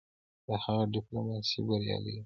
د هغه ډيپلوماسي بریالی وه.